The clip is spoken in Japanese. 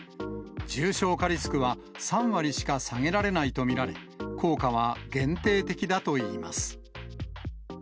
重症化リスクは３割しか下げられないと見られ、効果は限定的だといいます。